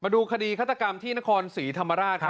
ดูคดีฆาตกรรมหน้าคอนสีธรรมราช